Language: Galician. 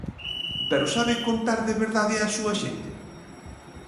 ¿Pero sabe contar de verdade a súa xente?